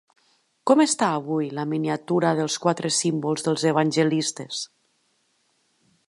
Com està avui la miniatura dels quatre símbols dels evangelistes?